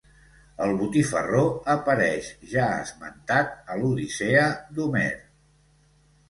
El botifarró apareix ja esmentat a l'Odissea d'Homer.